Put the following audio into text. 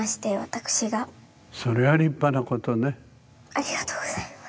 ありがとうございます。